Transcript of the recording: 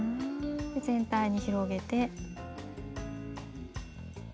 全体に広げて。